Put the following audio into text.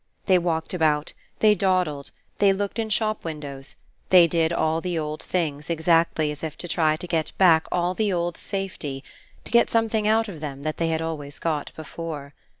They walked about, they dawdled, they looked in shop windows; they did all the old things exactly as if to try to get back all the old safety, to get something out of them that they had always got before.